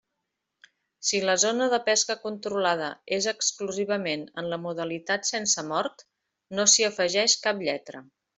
Si la zona de pesca controlada és exclusivament en la modalitat sense mort, no s'hi afegeix cap lletra.